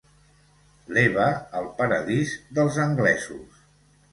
L'Eva al paradís dels anglesos.